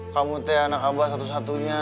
kamu teh anak abah satu satunya